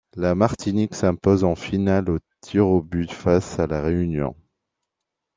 La Martinique s'impose en finale au tirs au buts face à La Réunion.